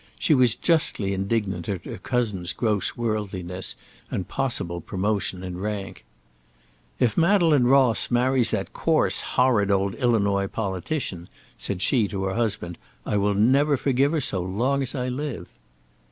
She was justly indignant at her cousin's gross worldliness, and possible promotion in rank. "If Madeleine Ross marries that coarse, horrid old Illinois politician," said she to her husband, "I never will forgive her so long as I live."